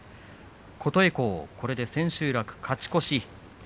琴恵光、これで千秋楽、勝ち越し。